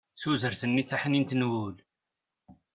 tudert-nni taḥnint n wul